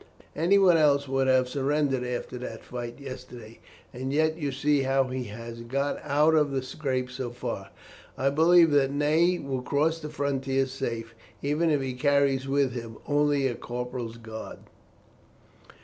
Anyone else would have surrendered after that fight yesterday, and yet you see how he has got out of the scrape so far. I believe that Ney will cross the frontier safe, even if he carries with him only a corporal's guard."